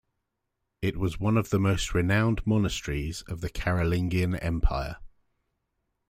It was one of the most renowned monasteries of the Carolingian Empire.